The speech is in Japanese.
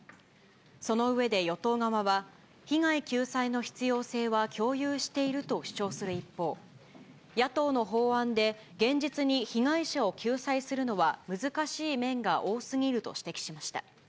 その上で与党側は、被害救済の必要性は共有していると主張する一方、野党の法案で現実に被害者を救済するのは難しい面が多すぎると指摘しました。